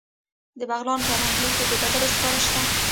د بغلان په نهرین کې د ډبرو سکاره شته.